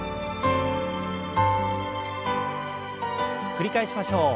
繰り返しましょう。